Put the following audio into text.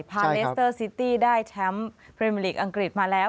เลสเตอร์ซิตี้ได้แชมป์พรีเมอร์ลีกอังกฤษมาแล้ว